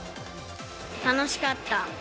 楽しかった。